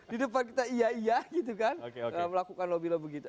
di depan kita iya iya gitu kan melakukan lobby lobby gitu